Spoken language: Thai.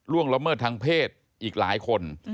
ละเมิดทางเพศอีกหลายคน